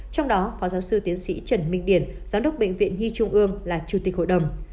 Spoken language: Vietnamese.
trong đó phó giáo sư tiến sĩ trần minh điển giám đốc bệnh viện nhi trung ương là chủ tịch hội đồng